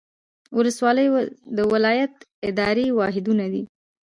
ولسوالۍ د ولایت اداري واحدونه دي